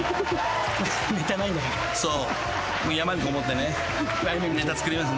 そう。